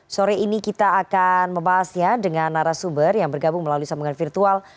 sore ini kita akan membahasnya dengan narasumber yang bergabung melalui sambungan virtual